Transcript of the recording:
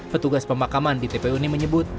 petugas pemakaman di tpu ini menyebut